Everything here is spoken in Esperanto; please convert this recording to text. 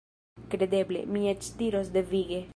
Kredeble; mi eĉ diros devige.